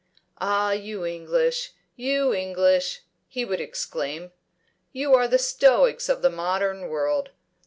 "Ah, you English! you English!" he would exclaim. "You are the stoics of the modern world.